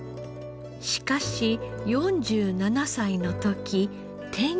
しかし４７歳の時転機が。